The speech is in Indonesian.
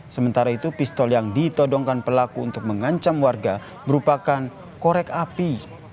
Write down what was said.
sementara itu pistol yang ditodongkan pelaku untuk mengancam warga merupakan korek api